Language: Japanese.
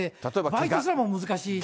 バイトするのも難しいし。